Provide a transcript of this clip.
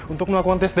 untuk mengakukan tes dna